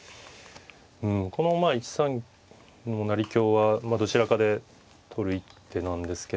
うんこの前１三の成香はどちらかで取る一手なんですけど。